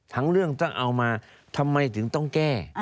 เรื่องต้องเอามาทำไมถึงต้องแก้